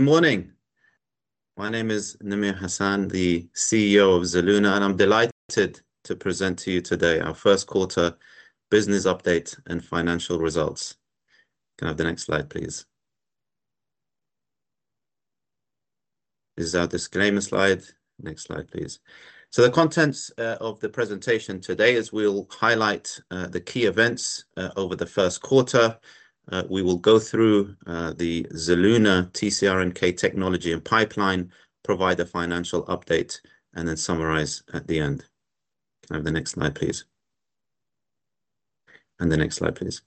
Good morning. My name is Namir Hassan, the CEO of Zelluna, and I'm delighted to present to you today our first quarter business update and financial results. Can I have the next slide, please? This is our disclaimer slide. Next slide, please. The contents of the presentation today is we'll highlight the key events over the first quarter. We will go through the Zelluna TCR-NK technology and pipeline, provide a financial update, and then summarize at the end. Can I have the next slide, please? Next slide, please.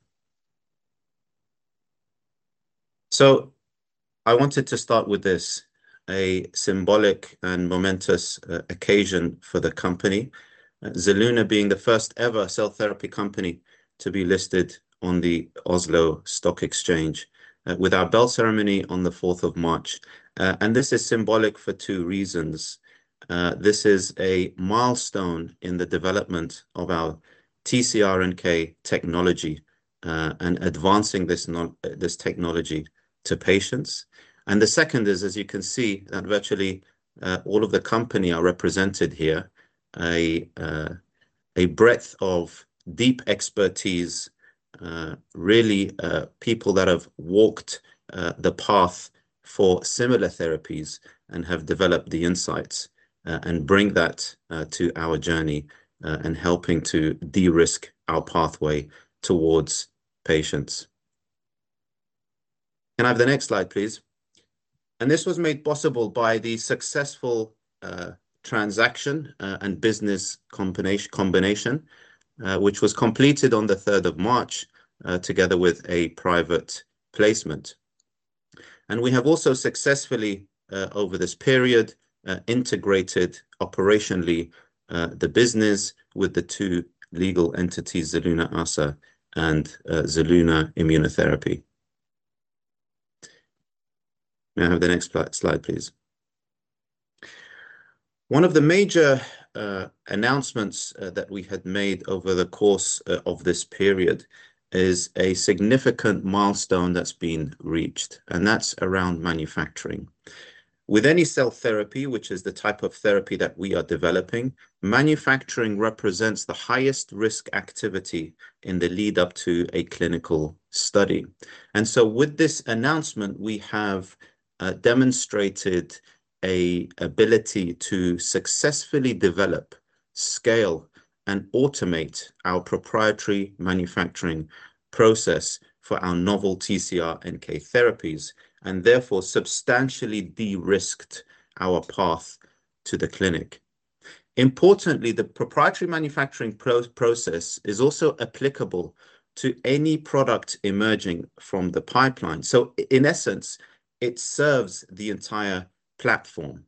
I wanted to start with this: a symbolic and momentous occasion for the company, Zelluna being the first-ever cell therapy company to be listed on the Oslo Stock Exchange with our bell ceremony on the 4th of March. This is symbolic for two reasons. This is a milestone in the development of our TCR-NK technology and advancing this technology to patients. The second is, as you can see, that virtually all of the company are represented here, a breadth of deep expertise, really people that have walked the path for similar therapies and have developed the insights and bring that to our journey and helping to de-risk our pathway towards patients. Can I have the next slide, please? This was made possible by the successful transaction and business combination, which was completed on the 3rd of March together with a private placement. We have also successfully, over this period, integrated operationally the business with the two legal entities, Zelluna ASA and Zelluna Immunotherapy. May I have the next slide, please? One of the major announcements that we had made over the course of this period is a significant milestone that's been reached, and that's around manufacturing. With any cell therapy, which is the type of therapy that we are developing, manufacturing represents the highest risk activity in the lead-up to a clinical study. With this announcement, we have demonstrated an ability to successfully develop, scale, and automate our proprietary manufacturing process for our novel TCR-NK therapies, and therefore substantially de-risked our path to the clinic. Importantly, the proprietary manufacturing process is also applicable to any product emerging from the pipeline. In essence, it serves the entire platform.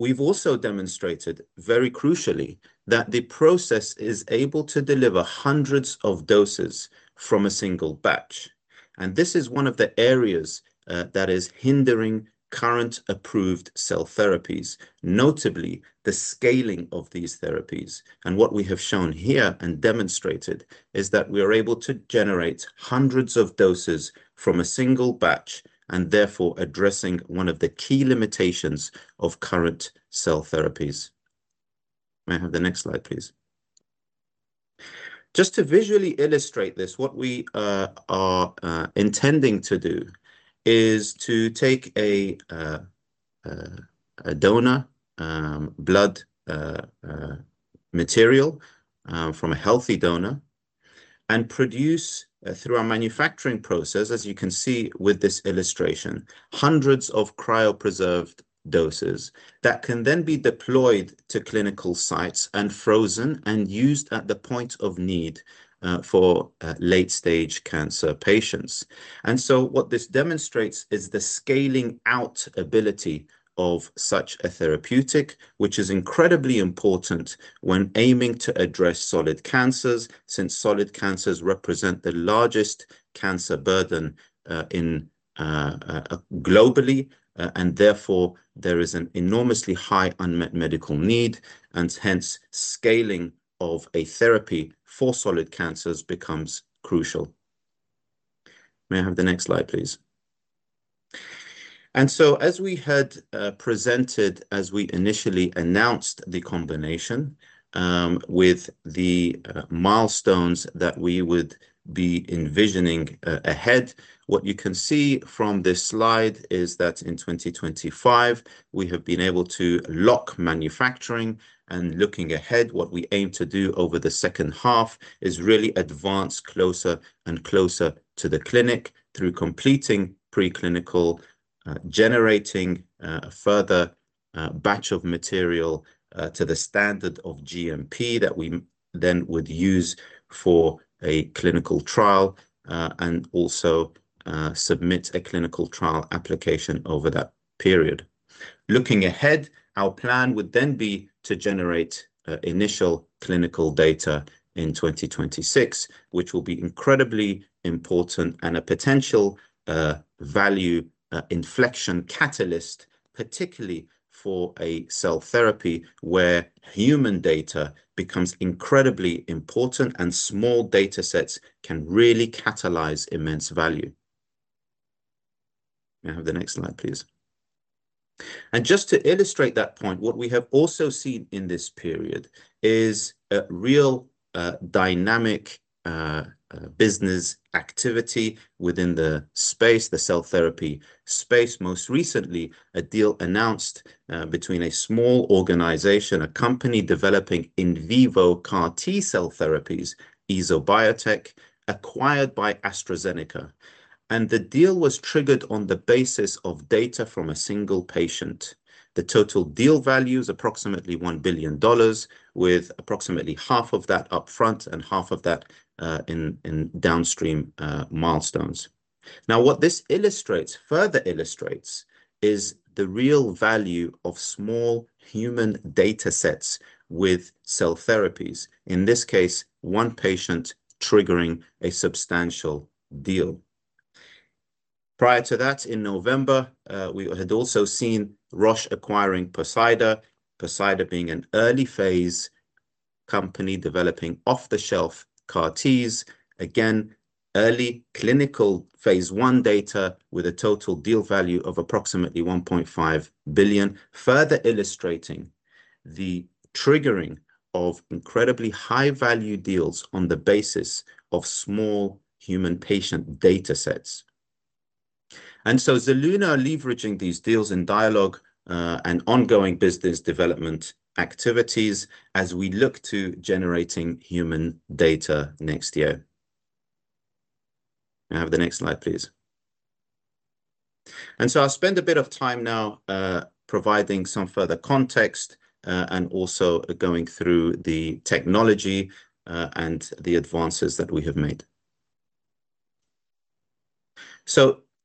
We've also demonstrated, very crucially, that the process is able to deliver hundreds of doses from a single batch. This is one of the areas that is hindering current approved cell therapies, notably the scaling of these therapies. What we have shown here and demonstrated is that we are able to generate hundreds of doses from a single batch and therefore addressing one of the key limitations of current cell therapies. May I have the next slide, please? Just to visually illustrate this, what we are intending to do is to take a donor blood material from a healthy donor and produce, through our manufacturing process, as you can see with this illustration, hundreds of cryopreserved doses that can then be deployed to clinical sites and frozen and used at the point of need for late-stage cancer patients. What this demonstrates is the scaling-out ability of such a therapeutic, which is incredibly important when aiming to address solid cancers, since solid cancers represent the largest cancer burden globally, and therefore there is an enormously high unmet medical need, and hence scaling of a therapy for solid cancers becomes crucial. May I have the next slide, please? As we had presented, as we initially announced the combination with the milestones that we would be envisioning ahead, what you can see from this slide is that in 2025, we have been able to lock manufacturing. Looking ahead, what we aim to do over the second half is really advance closer and closer to the clinic through completing preclinical, generating a further batch of material to the standard of GMP that we then would use for a clinical trial and also submit a clinical trial application over that period. Looking ahead, our plan would then be to generate initial clinical data in 2026, which will be incredibly important and a potential value inflection catalyst, particularly for a cell therapy where human data becomes incredibly important and small data sets can really catalyze immense value. May I have the next slide, please? Just to illustrate that point, what we have also seen in this period is a real dynamic business activity within the space, the cell therapy space. Most recently, a deal announced between a small organization, a company developing in vivo CAR-T cell therapies, EzoBiotech, acquired by AstraZeneca. The deal was triggered on the basis of data from a single patient. The total deal value is approximately $1 billion, with approximately half of that upfront and half of that in downstream milestones. What this illustrates, further illustrates, is the real value of small human data sets with cell therapies, in this case, one patient triggering a substantial deal. Prior to that, in November, we had also seen Roche acquiring Poseidon, Poseidon being an early-phase company developing off-the-shelf CAR-Ts, again, early clinical phase one data with a total deal value of approximately $1.5 billion, further illustrating the triggering of incredibly high-value deals on the basis of small human patient data sets. Zelluna are leveraging these deals in dialogue and ongoing business development activities as we look to generating human data next year. May I have the next slide, please? I'll spend a bit of time now providing some further context and also going through the technology and the advances that we have made.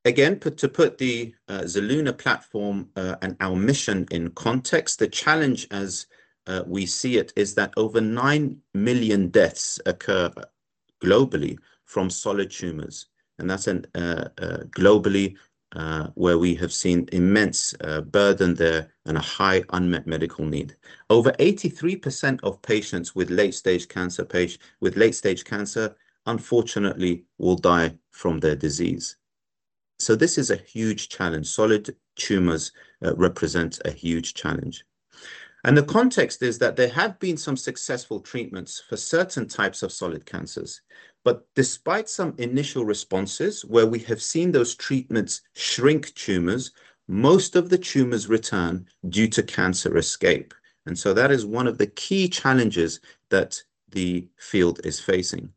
Again, to put the Zelluna platform and our mission in context, the challenge as we see it is that over 9 million deaths occur globally from solid tumors. That's globally where we have seen immense burden there and a high unmet medical need. Over 83% of patients with late-stage cancer, unfortunately, will die from their disease. This is a huge challenge. Solid tumors represent a huge challenge. The context is that there have been some successful treatments for certain types of solid cancers. Despite some initial responses where we have seen those treatments shrink tumors, most of the tumors return due to cancer escape. That is one of the key challenges that the field is facing.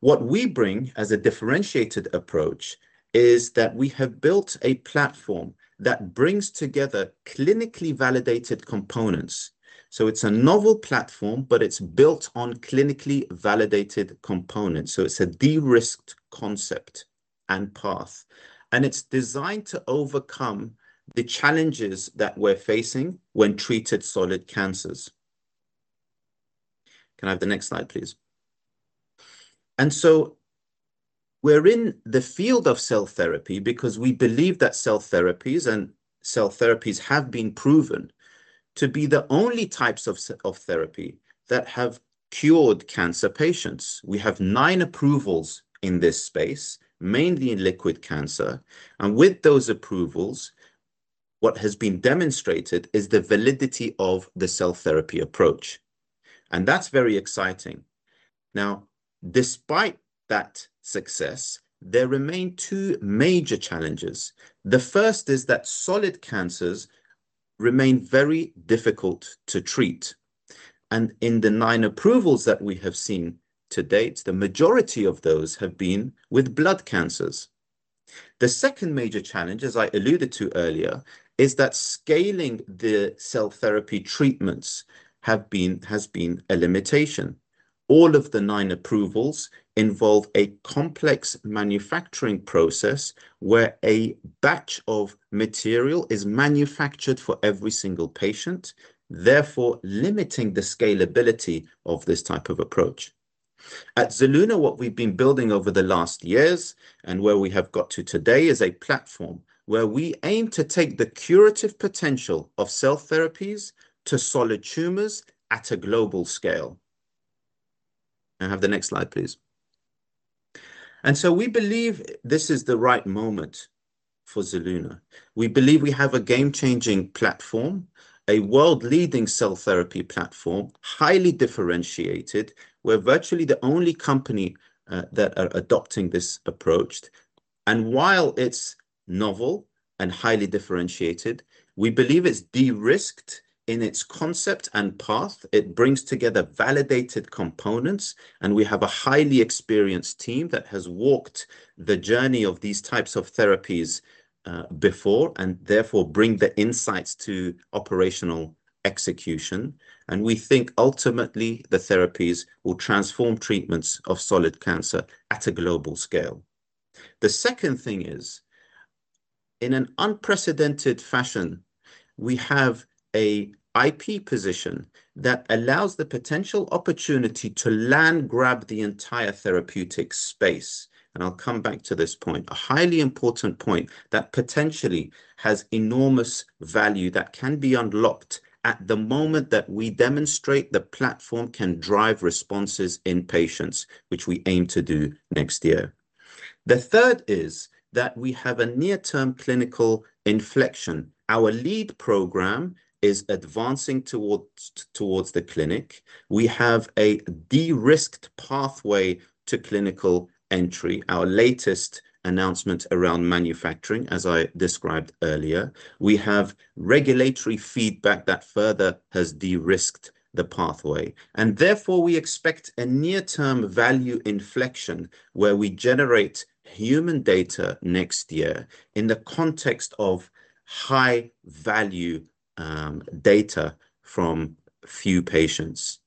What we bring as a differentiated approach is that we have built a platform that brings together clinically validated components. It is a novel platform, but it is built on clinically validated components. It is a de-risked concept and path. It is designed to overcome the challenges that we are facing when treated solid cancers. Can I have the next slide, please? We are in the field of cell therapy because we believe that cell therapies and cell therapies have been proven to be the only types of therapy that have cured cancer patients. We have nine approvals in this space, mainly in liquid cancer. With those approvals, what has been demonstrated is the validity of the cell therapy approach. That's very exciting. Now, despite that success, there remain two major challenges. The first is that solid cancers remain very difficult to treat. In the nine approvals that we have seen to date, the majority of those have been with blood cancers. The second major challenge, as I alluded to earlier, is that scaling the cell therapy treatments has been a limitation. All of the nine approvals involve a complex manufacturing process where a batch of material is manufactured for every single patient, therefore limiting the scalability of this type of approach. At Zelluna, what we've been building over the last years and where we have got to today is a platform where we aim to take the curative potential of cell therapies to solid tumors at a global scale. May I have the next slide, please? We believe this is the right moment for Zelluna. We believe we have a game-changing platform, a world-leading cell therapy platform, highly differentiated. We are virtually the only company that are adopting this approach. While it is novel and highly differentiated, we believe it is de-risked in its concept and path. It brings together validated components, and we have a highly experienced team that has walked the journey of these types of therapies before and therefore brings the insights to operational execution. We think ultimately the therapies will transform treatments of solid cancer at a global scale. The second thing is, in an unprecedented fashion, we have an IP position that allows the potential opportunity to land-grab the entire therapeutic space. I will come back to this point, a highly important point that potentially has enormous value that can be unlocked at the moment that we demonstrate the platform can drive responses in patients, which we aim to do next year. The third is that we have a near-term clinical inflection. Our lead program is advancing towards the clinic. We have a de-risked pathway to clinical entry, our latest announcement around manufacturing, as I described earlier. We have regulatory feedback that further has de-risked the pathway. Therefore, we expect a near-term value inflection where we generate human data next year in the context of high-value data from few patients.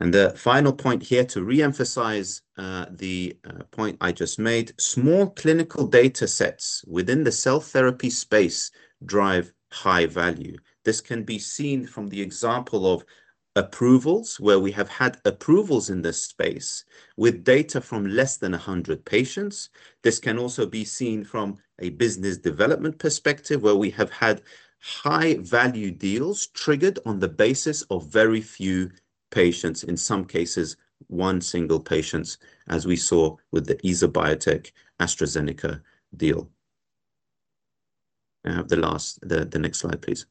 The final point here, to re-emphasize the point I just made, small clinical data sets within the cell therapy space drive high value. This can be seen from the example of approvals where we have had approvals in this space with data from less than 100 patients. This can also be seen from a business development perspective where we have had high-value deals triggered on the basis of very few patients, in some cases, one single patient, as we saw with the EzoBiotech AstraZeneca deal. May I have the next slide, please?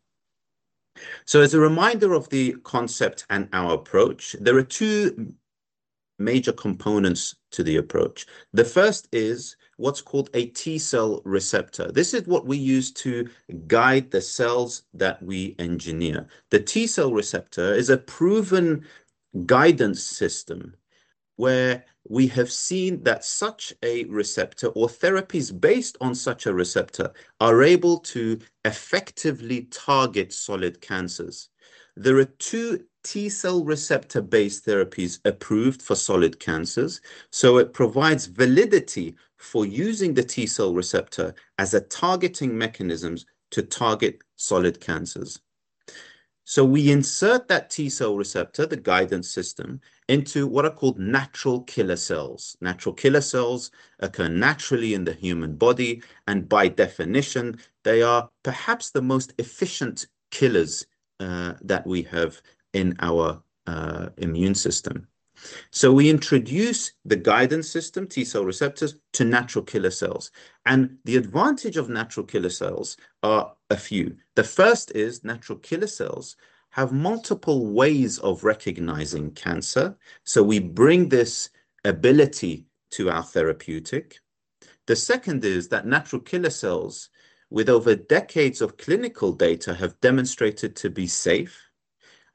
As a reminder of the concept and our approach, there are two major components to the approach. The first is what's called a T cell receptor. This is what we use to guide the cells that we engineer. The T cell receptor is a proven guidance system where we have seen that such a receptor or therapies based on such a receptor are able to effectively target solid cancers. There are two T cell receptor-based therapies approved for solid cancers. It provides validity for using the T cell receptor as a targeting mechanism to target solid cancers. We insert that T cell receptor, the guidance system, into what are called natural killer cells. Natural killer cells occur naturally in the human body. By definition, they are perhaps the most efficient killers that we have in our immune system. We introduce the guidance system, T cell receptors, to natural killer cells. The advantage of natural killer cells are a few. The first is natural killer cells have multiple ways of recognizing cancer. We bring this ability to our therapeutic. The second is that natural killer cells, with over decades of clinical data, have demonstrated to be safe.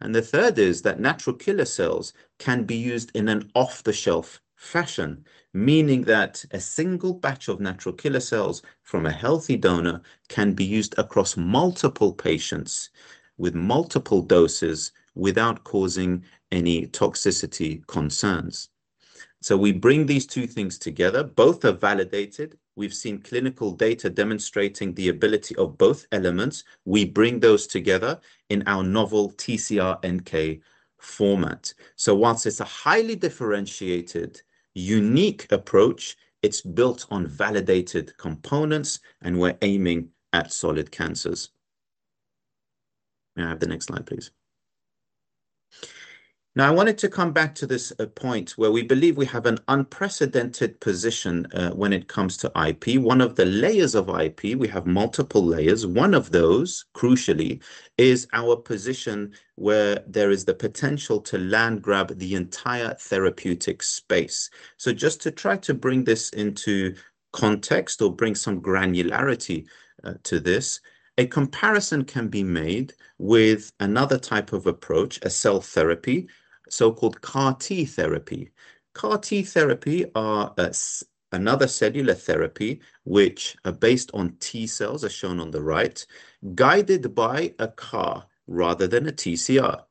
The third is that natural killer cells can be used in an off-the-shelf fashion, meaning that a single batch of natural killer cells from a healthy donor can be used across multiple patients with multiple doses without causing any toxicity concerns. We bring these two things together. Both are validated. We have seen clinical data demonstrating the ability of both elements. We bring those together in our novel TCR-NK format. Whilst it is a highly differentiated, unique approach, it is built on validated components, and we are aiming at solid cancers. May I have the next slide, please? I wanted to come back to this point where we believe we have an unprecedented position when it comes to IP. One of the layers of IP, we have multiple layers. One of those, crucially, is our position where there is the potential to land-grab the entire therapeutic space. Just to try to bring this into context or bring some granularity to this, a comparison can be made with another type of approach, a cell therapy, so-called CAR-T therapy. CAR-T therapy are another cellular therapy which are based on T cells, as shown on the right, guided by a CAR rather than a TCR.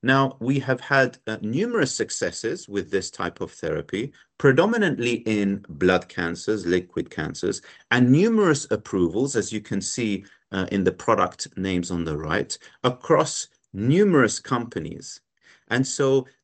Now, we have had numerous successes with this type of therapy, predominantly in blood cancers, liquid cancers, and numerous approvals, as you can see in the product names on the right, across numerous companies.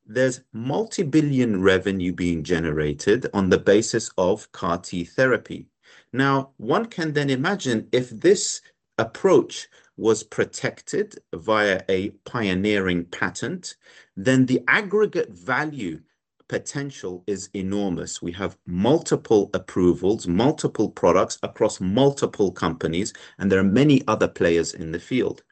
There is multi-billion revenue being generated on the basis of CAR-T therapy. One can then imagine if this approach was protected via a pioneering patent, then the aggregate value potential is enormous. We have multiple approvals, multiple products across multiple companies, and there are many other players in the field.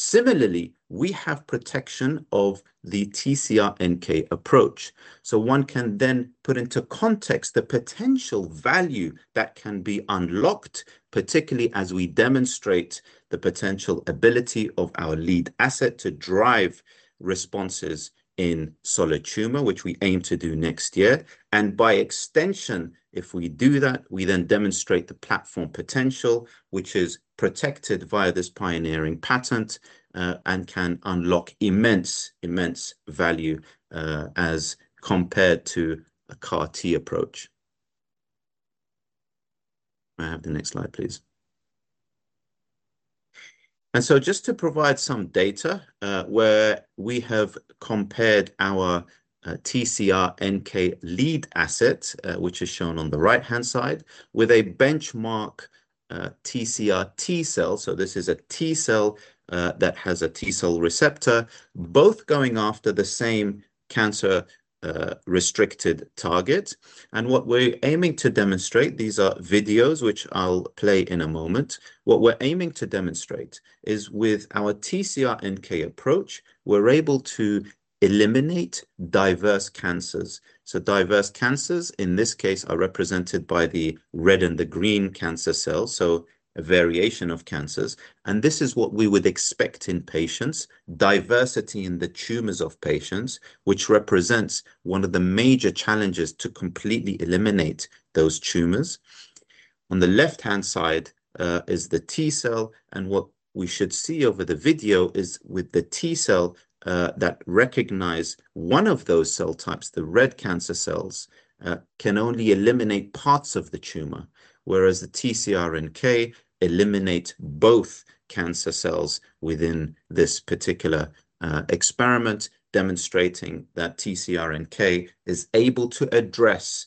Similarly, we have protection of the TCR-NK approach. One can then put into context the potential value that can be unlocked, particularly as we demonstrate the potential ability of our lead asset to drive responses in solid tumor, which we aim to do next year. By extension, if we do that, we then demonstrate the platform potential, which is protected via this pioneering patent and can unlock immense value as compared to a CAR-T approach. May I have the next slide, please? Just to provide some data where we have compared our TCR-NK lead asset, which is shown on the right-hand side, with a benchmark TCR-T cell. This is a T cell that has a T cell receptor, both going after the same cancer-restricted target. What we're aiming to demonstrate, these are videos which I'll play in a moment. What we're aiming to demonstrate is with our TCR-NK approach, we're able to eliminate diverse cancers. Diverse cancers, in this case, are represented by the red and the green cancer cells, so a variation of cancers. This is what we would expect in patients, diversity in the tumors of patients, which represents one of the major challenges to completely eliminate those tumors. On the left-hand side is the T cell. What we should see over the video is with the T cell that recognizes one of those cell types, the red cancer cells, it can only eliminate parts of the tumor, whereas the TCR-NK eliminates both cancer cells within this particular experiment, demonstrating that TCR-NK is able to address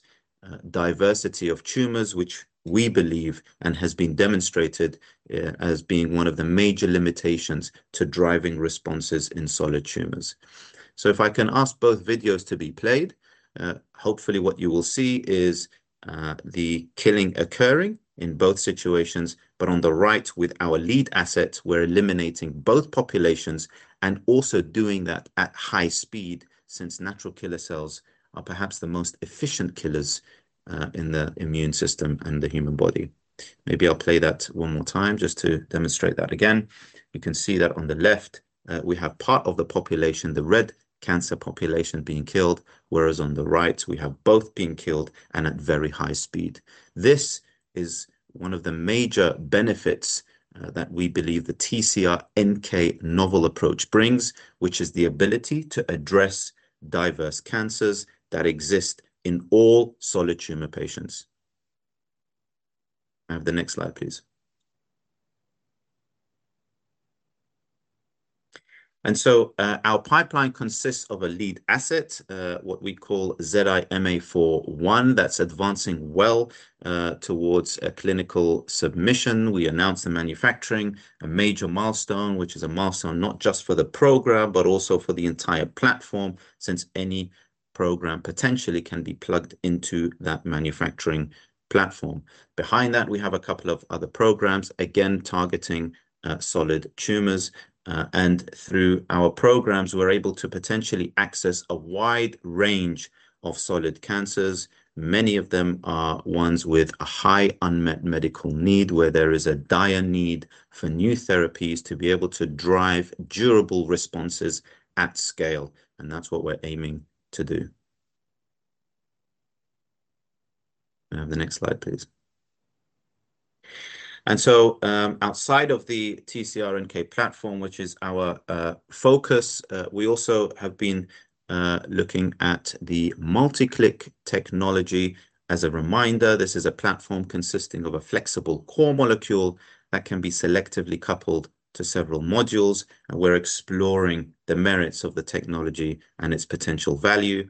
diversity of tumors, which we believe and has been demonstrated as being one of the major limitations to driving responses in solid tumors. If I can ask both videos to be played, hopefully what you will see is the killing occurring in both situations. On the right, with our lead asset, we're eliminating both populations and also doing that at high speed since natural killer cells are perhaps the most efficient killers in the immune system and the human body. Maybe I'll play that one more time just to demonstrate that again. You can see that on the left, we have part of the population, the red cancer population, being killed, whereas on the right, we have both being killed and at very high speed. This is one of the major benefits that we believe the TCR-NK novel approach brings, which is the ability to address diverse cancers that exist in all solid tumor patients. May I have the next slide, please? Our pipeline consists of a lead asset, what we call ZI-MA4-1, that's advancing well towards a clinical submission. We announced the manufacturing, a major milestone, which is a milestone not just for the program, but also for the entire platform, since any program potentially can be plugged into that manufacturing platform. Behind that, we have a couple of other programs, again, targeting solid tumors. Through our programs, we're able to potentially access a wide range of solid cancers. Many of them are ones with a high unmet medical need, where there is a dire need for new therapies to be able to drive durable responses at scale. That's what we're aiming to do. May I have the next slide, please? Outside of the TCR-NK platform, which is our focus, we also have been looking at the multi-click technology. As a reminder, this is a platform consisting of a flexible core molecule that can be selectively coupled to several modules. We are exploring the merits of the technology and its potential value.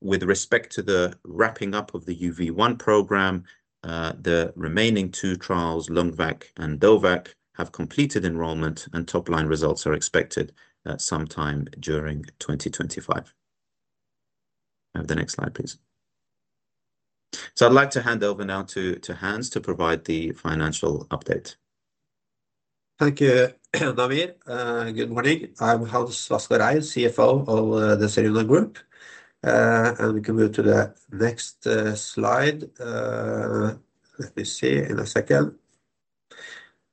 With respect to the wrapping up of the UV1 program, the remaining two trials, LungVac and Dovac, have completed enrollment, and top-line results are expected sometime during 2025. May I have the next slide, please? I would like to hand over now to Hans to provide the financial update. Thank you, Namir. Good morning. I'm Hans Vassgård Eid, CFO of the Zelluna Group. We can move to the next slide. Let me see in a second.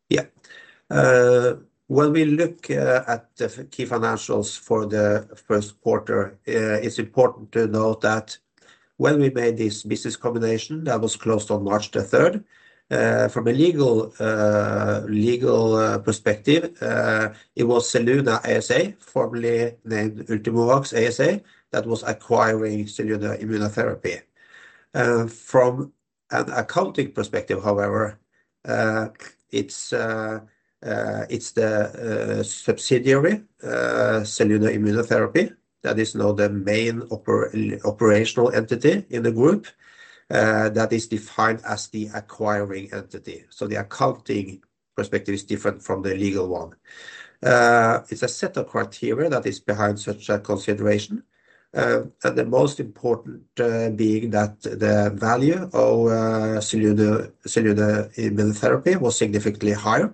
Yeah. When we look at the key financials for the first quarter, it's important to note that when we made this business combination that was closed on March 3, from a legal perspective, it was Zelluna ASA, formerly named Ultimovacs ASA, that was acquiring Zelluna Immunotherapy. From an accounting perspective, however, it's the subsidiary Zelluna Immunotherapy that is now the main operational entity in the group that is defined as the acquiring entity. The accounting perspective is different from the legal one. It's a set of criteria that is behind such a consideration, and the most important being that the value of Zelluna Immunotherapy was significantly higher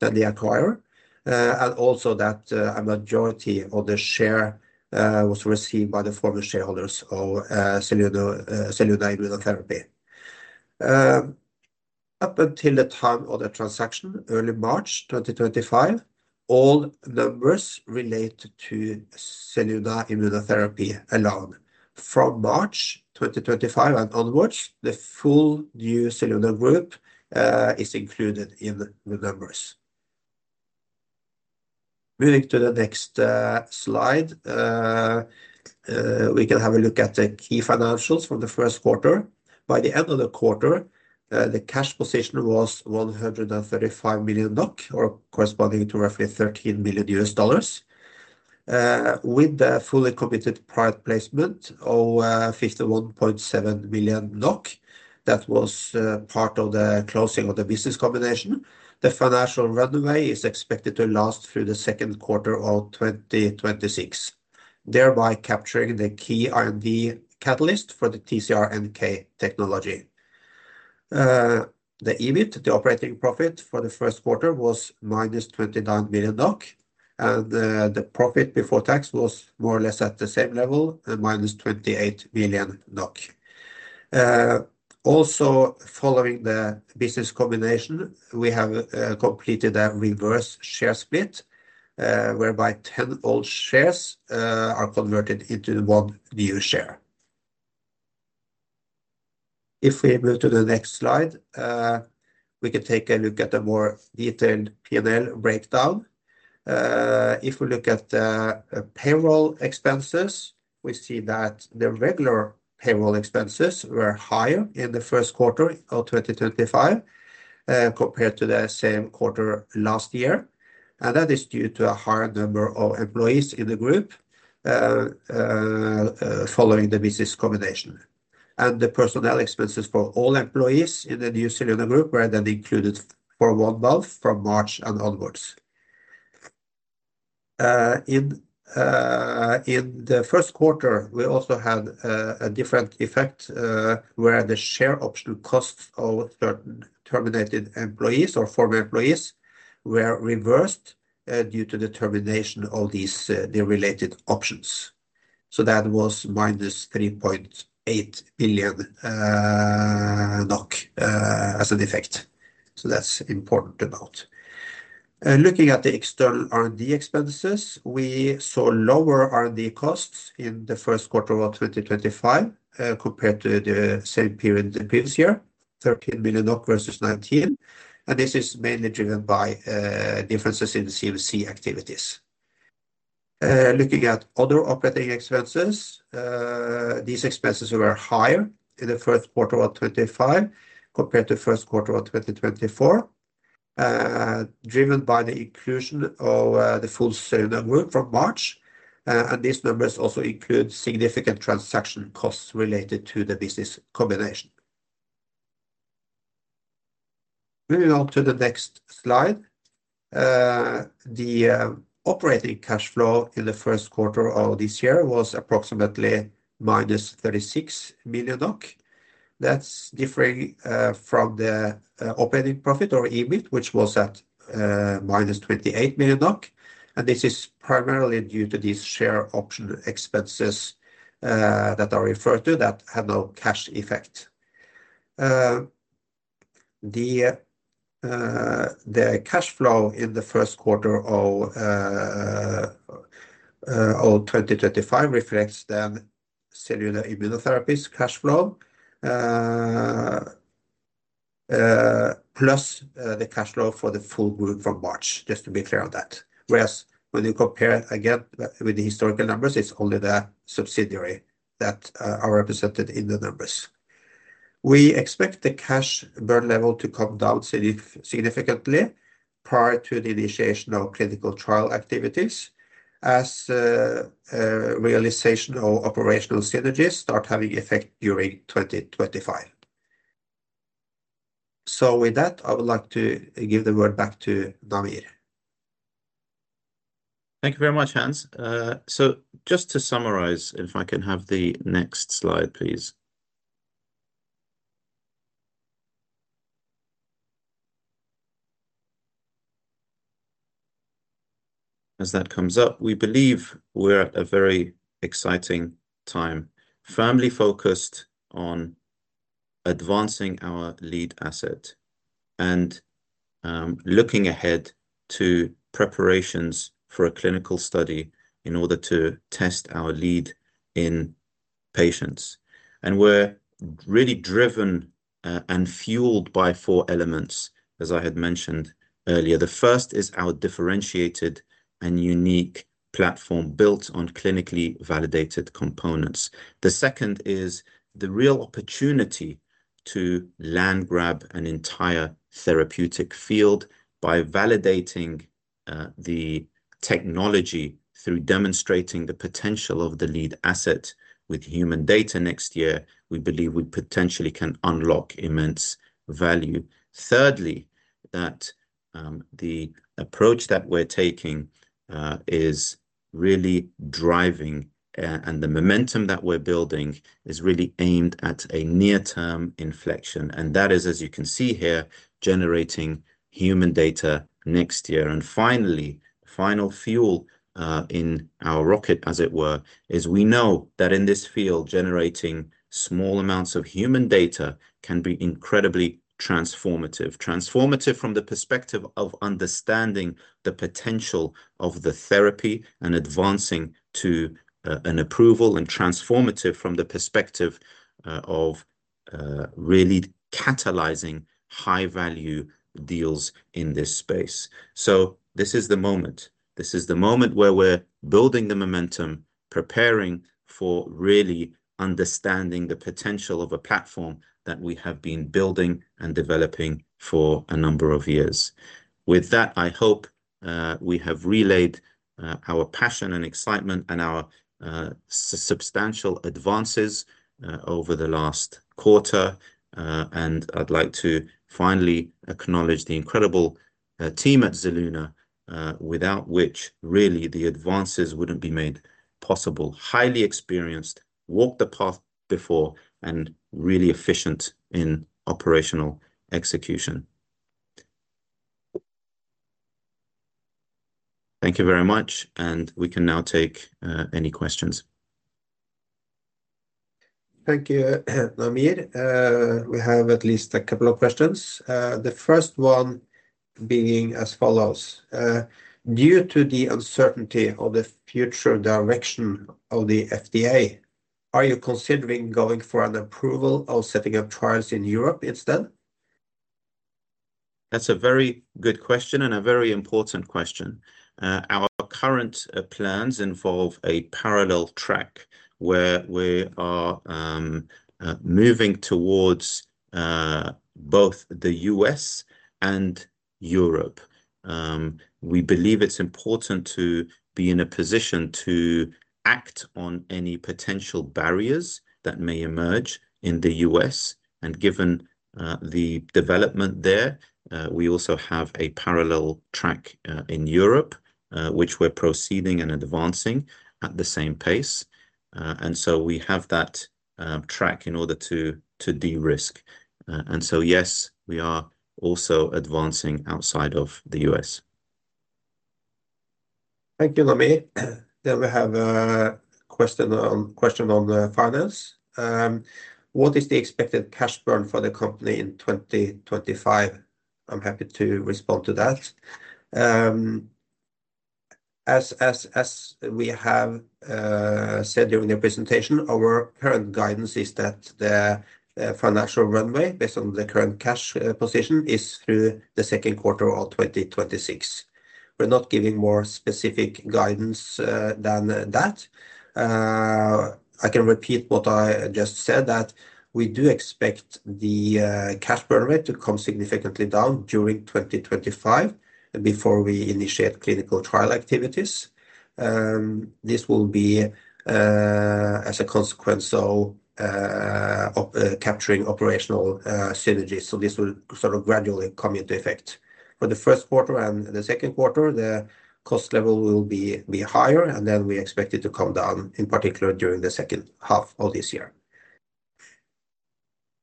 than the acquirer, and also that a majority of the share was received by the former shareholders of Zelluna Immunotherapy. Up until the time of the transaction, early March 2025, all numbers related to Zelluna Immunotherapy alone. From March 2025 and onwards, the full new Zelluna Group is included in the numbers. Moving to the next slide, we can have a look at the key financials from the first quarter. By the end of the quarter, the cash position was 135 million NOK, or corresponding to roughly $13 million, with the fully committed prior placement of 51.7 million NOK that was part of the closing of the business combination. The financial runway is expected to last through the second quarter of 2026, thereby capturing the key R&D catalyst for the TCR-NK technology. The EBIT, the operating profit for the first quarter, was minus 29 million, and the profit before tax was more or less at the same level, minus 28 million NOK. Also, following the business combination, we have completed a reverse share split, whereby 10 old shares are converted into one new share. If we move to the next slide, we can take a look at a more detailed P&L breakdown. If we look at the payroll expenses, we see that the regular payroll expenses were higher in the first quarter of 2025 compared to the same quarter last year. That is due to a higher number of employees in the group following the business combination. The personnel expenses for all employees in the new Zelluna Group were then included for one month from March and onwards. In the first quarter, we also had a different effect, where the share option costs of certain terminated employees or former employees were reversed due to the termination of these related options. That was minus 3.8 million as an effect. That is important to note. Looking at the external R&D expenses, we saw lower R&D costs in the first quarter of 2025 compared to the same period the previous year, 13 million NOK versus 19 million. This is mainly driven by differences in CMC activities. Looking at other operating expenses, these expenses were higher in the first quarter of 2025 compared to the first quarter of 2024, driven by the inclusion of the full Zelluna Group from March. These numbers also include significant transaction costs related to the business combination. Moving on to the next slide, the operating cash flow in the first quarter of this year was approximately minus 36 million NOK. That's differing from the operating profit or EBIT, which was at minus 28 million NOK. This is primarily due to these share option expenses that are referred to that had no cash effect. The cash flow in the first quarter of 2025 reflects then Zelluna Immunotherapy's cash flow, plus the cash flow for the full group from March, just to be clear on that. Whereas when you compare again with the historical numbers, it's only the subsidiary that are represented in the numbers. We expect the cash burn level to come down significantly prior to the initiation of clinical trial activities, as realization of operational synergies start having effect during 2025. With that, I would like to give the word back to Namir. Thank you very much, Hans. Just to summarize, if I can have the next slide, please. As that comes up, we believe we're at a very exciting time, firmly focused on advancing our lead asset and looking ahead to preparations for a clinical study in order to test our lead in patients. We're really driven and fueled by four elements, as I had mentioned earlier. The first is our differentiated and unique platform built on clinically validated components. The second is the real opportunity to landgrab an entire therapeutic field by validating the technology through demonstrating the potential of the lead asset with human data next year. We believe we potentially can unlock immense value. Thirdly, the approach that we're taking is really driving, and the momentum that we're building is really aimed at a near-term inflection. That is, as you can see here, generating human data next year. Finally, the final fuel in our rocket, as it were, is we know that in this field, generating small amounts of human data can be incredibly transformative, transformative from the perspective of understanding the potential of the therapy and advancing to an approval, and transformative from the perspective of really catalyzing high-value deals in this space. This is the moment. This is the moment where we're building the momentum, preparing for really understanding the potential of a platform that we have been building and developing for a number of years. With that, I hope we have relayed our passion and excitement and our substantial advances over the last quarter. I would like to finally acknowledge the incredible team at Zelluna, without which really the advances would not be made possible. Highly experienced, walked the path before, and really efficient in operational execution. Thank you very much, and we can now take any questions. Thank you, Namir. We have at least a couple of questions. The first one being as follows: Due to the uncertainty of the future direction of the FDA, are you considering going for an approval of setting up trials in Europe instead? That is a very good question and a very important question. Our current plans involve a parallel track where we are moving towards both the U.S. and Europe. We believe it is important to be in a position to act on any potential barriers that may emerge in the U.S. Given the development there, we also have a parallel track in Europe, which we are proceeding and advancing at the same pace. We have that track in order to de-risk. Yes, we are also advancing outside of the U.S. Thank you, Namir. We have a question on finance. What is the expected cash burn for the company in 2025? I'm happy to respond to that. As we have said during the presentation, our current guidance is that the financial runway, based on the current cash position, is through the second quarter of 2026. We're not giving more specific guidance than that. I can repeat what I just said, that we do expect the cash burn rate to come significantly down during 2025 before we initiate clinical trial activities. This will be as a consequence of capturing operational synergies. This will sort of gradually come into effect. For the first quarter and the second quarter, the cost level will be higher, and then we expect it to come down, in particular during the second half of this year.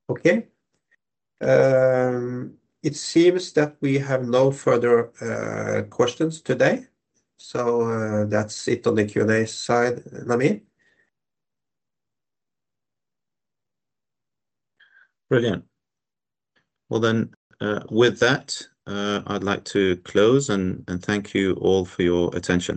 Okay. It seems that we have no further questions today. That's it on the Q&A side, Namir. Brilliant. With that, I'd like to close and thank you all for your attention.